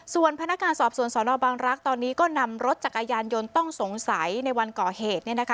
ส่วนพนักงานสอบสวนสนบังรักษ์ตอนนี้ก็นำรถจักรยานยนต์ต้องสงสัยในวันก่อเหตุ